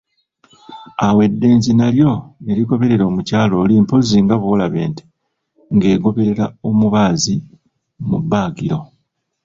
Awo eddenzi nalyo ne ligoberera omukyala oli mpozzi nga bw'olaba ente ng'egoberera omubaazi mu bbaagiro!